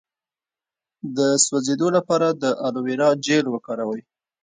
د سوځیدو لپاره د الوویرا جیل وکاروئ